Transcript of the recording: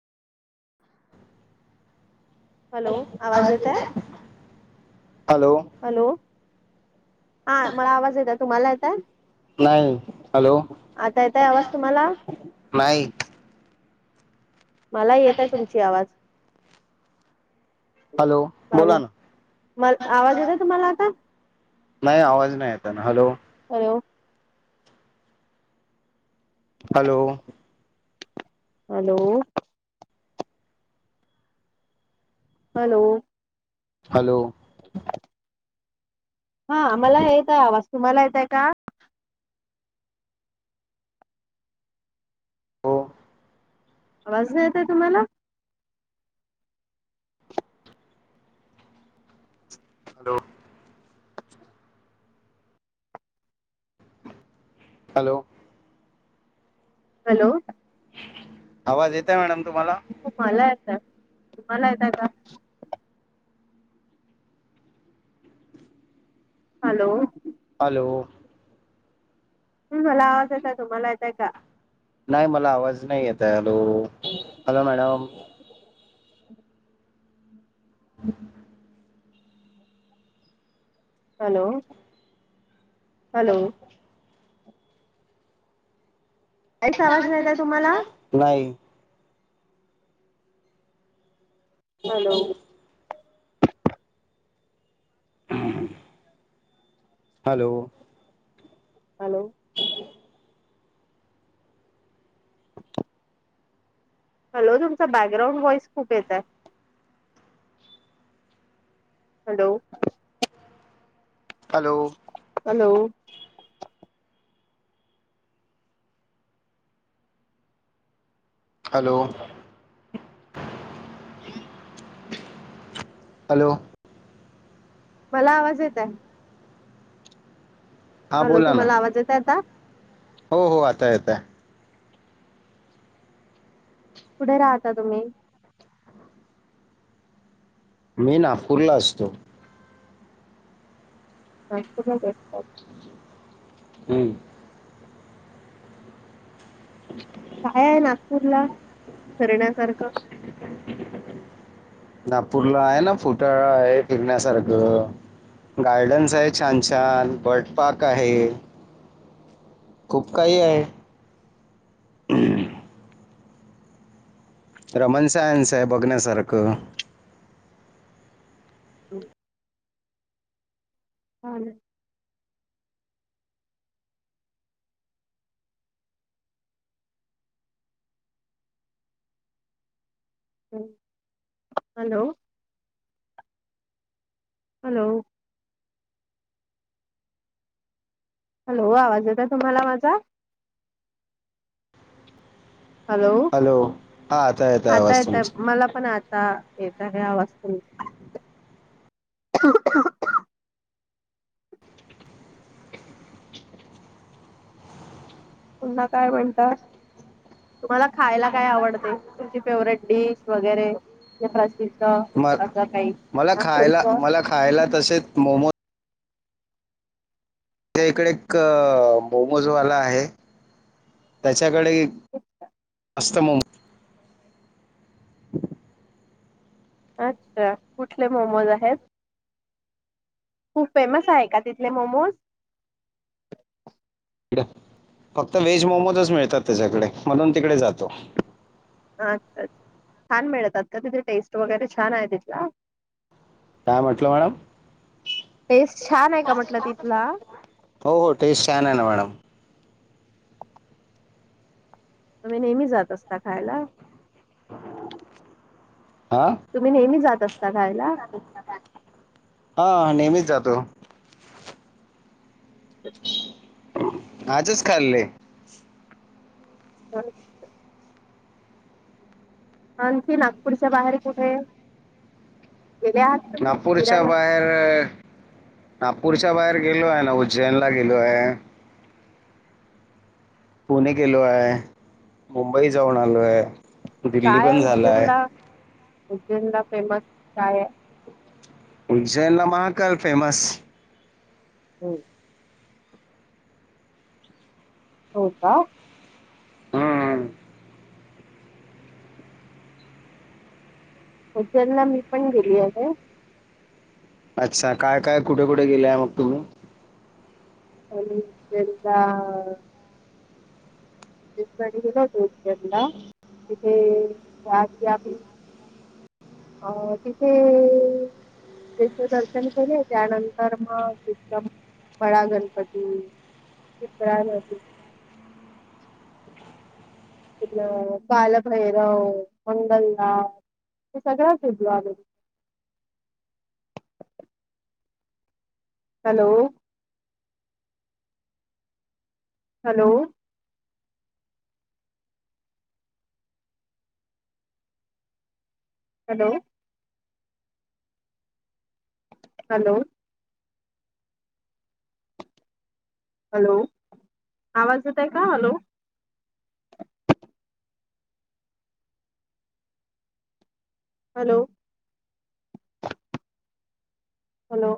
Hello आवाज येत आहे हॅलो हॅलो हा मला आवाज येत तुम्हाला येत आहे नाही हॅलो येतय आवाज तुम्हाला नाही मला येत आहे तुमची आवाज हॅलो हॅलो बोला ना म आवाज येत आहे तुम्हाला आता नाही आवाज नाही येत ना hello hello hello hello hello. Hello. हा मला येत आहे आवाज तुम्हाला येत आहे का हो आवाज नाई येत आहे तुम्हाला हॅलो हॅलो. हॅलो. आवाज येतय मॅडम तुम्हाला तुम्हाला येतय तुम्हाला यत का? हॅलो हॅलो मला आवाज येत तुम्हाला येतय का? नाही मला आवाज नाही येत आहे hello hello madam [inaudible] hello, hello काहीच नीट नाही आवाज येतय येतोय तुम्हाला नाही हॅलो [inaudible] [inaudible] हॅलो हॅलो. [inaudible] हॅलो तुमचा बॅकग्राऊंड व्हॉइस खूप येतय hello. Hello hello hello hello. मला आवाज येत आहे. हा हॅलो बोला ना तुम्हाला आवाज येत आहे आता हो, हो आता येत आहे कुठे राहता तुम्ही मी नागपूरला असतो. नागपूरला कुठे? हम्म [inaudible] काय नागपूरला करण्यासारखं. नागपूरला आहे ना फोटो आहे टिकण्यासारखं गार्डन्स आहे छान, छान बर्ड पार्क आहे खूप काही आहे रमण सायन्स आहे बघण्यासारखं. हम्म. हॅलो हॅलो हॅलो आवाज येते का तुम्हाला माझा? हॅलो, आता येत मला पण आता येता का आवाज तुमचा पुन्हा काय म्हणतात. तुम्हाला खायला काय आवडते तुमची फेवर्हेट डिश वगैरे प्रसिद्ध म असं काही मला खायला खर्च मला खायला तसेच मोमो ते इकडे एक मोमोजवाला आहे त्याच्याकडे असत म अच्छा कुठले मोमोज आहेत खूप फेमस आहे का तिथले मोमोज फक्त व्हेज मोमोजच मिळतात त्याच्याकडे म्हणून तिकडे जातो. अच्छा अच्छ छान मिळतात का तिथे टेस्ट वगैरे छान आहे तिथला काय म्हटलं मॅडम टेस्ट छान आहे का म्हटलं तिथला हो, हो टेस्ट छान आहे ना मॅडम तुम्ही नेहमी जात असता खायला. आ. तुम्ही नेहमी जात असता खायला हा नेहमीच जातो. आजच खाल्ले [unintelligible] आणखी नागपूरच्या बाहेर कुठे गेल्यात? नागपूरच्या बाहेर होय नागपूरच्या बाहेर गेलो आहे ना उज्जैन ला गेलो आहे पुणे गेलो आहे मुंबई जाऊन आलो आहे दिल्ली पण झाला आहे. उज्जैन ला फेमस काय? उज्जैनला महाकल फेमस. हम्म. हो का हम्म. हचरला मी पण गेली आहे. अच्छा काय, काय कुठे, कुठे गेलेय मग तुम्ही [unintelligible] [unintelligible] अ तीथे त्यांचे दर्शन केले त्यानंतर मग तच्या बडा गणपती प्रय तथलं बालभैरव मंगलद हे सगळ बिजू आ. Hello hello. Hello hello hello आवाज यतय का हॅलो. हॅलो. हॅलो.